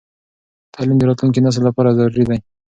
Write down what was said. تعليم د راتلونکي نسل لپاره ضروري دی.